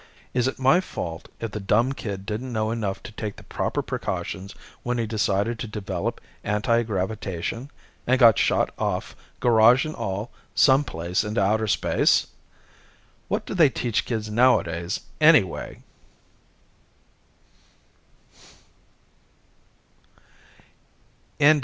Is it my fault if the dumb kid didn't know enough to take the proper precautions when he decided to develop anti gravitation and got shot off, garage and all, someplace into outer space? What do they teach kids nowadays, anyway?